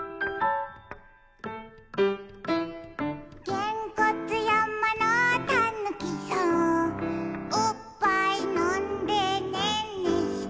「げんこつやまのたぬきさん」「おっぱいのんでねんねして」